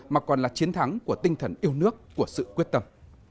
mà còn là chiến thắng của tinh thần yêu nước của sự quyết tâm